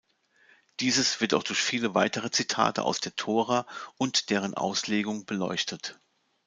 Dieses wird auch durch viele weitere Zitate aus der Tora und deren Auslegung beleuchtet.